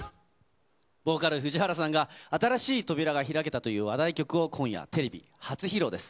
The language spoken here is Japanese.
ボーカル、藤原さんが新しい扉が開けたという話題曲を今夜テレビ初披露です。